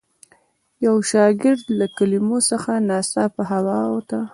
د یوه شاګرد له کلمو څخه ناڅاپه هوا ووته.